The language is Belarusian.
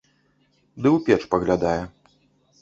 Ды ў печ паглядае.